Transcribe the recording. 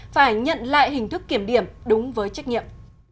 phải nhận lại hình thức kiểm điểm đúng với trách nhiệm